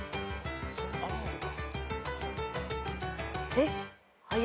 えっ？